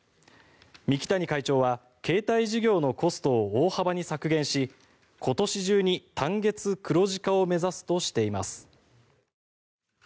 三木谷社長は携帯事業のコストを大幅に削減し今年中に単月黒字化を目指すとしています。